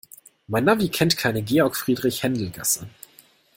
Mein Navi kennt keine Georg-Friedrich-Händel-Gasse.